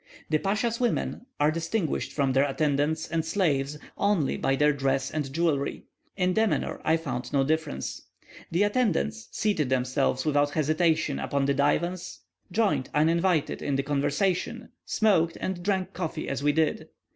The pasha's women are distinguished from their attendants and slaves only by their dress and jewellery; in demeanour I found no difference. The attendants seated themselves without hesitation upon the divans, joined, uninvited, in the conversation, smoked, and drank coffee as we did.